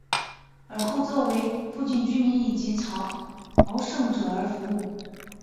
尔后则作为附近居民以及朝圣者而服务。